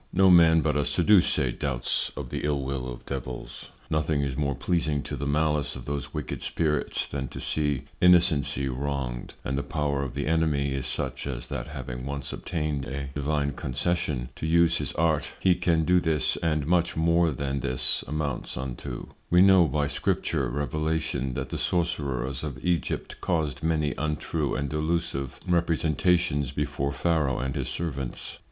_ No man but a Sadduce doubts of the ill will of Devils; nothing is more pleasing to the Malice of those wicked Spirits than to see Innocency wronged: And the Power of the Enemy is such, as that having once obtained a Divine Concession to use his Art, he can do this and much more than this amounts unto: We know by Scripture Revelation, that the Sorcerers of Egypt caused many untrue and delusive Representations before Pharaoh and his Servants.